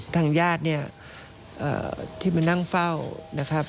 ทางญาติเนี่ยที่มานั่งเฝ้านะครับ